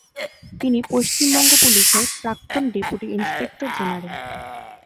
তিনি পশ্চিমবঙ্গ পুলিশের প্রাক্তন ডেপুটি ইনস্পেক্টর জেনারেল।